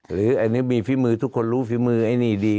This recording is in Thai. หรืออันนี้มีฝีมือทุกคนรู้ฝีมือไอ้นี่ดี